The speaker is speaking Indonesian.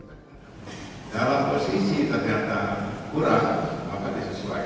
dalam posisi ternyata kurang maka disesuaikan